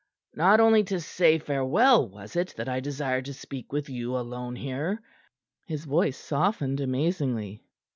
"Not only to say farewell was it that I desired to speak with you alone here." His voice softened amazingly.